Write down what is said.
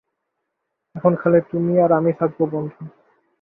এখন খালি তুমি আর আমি থাকব, বন্ধু।